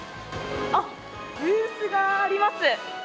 ブースがあります。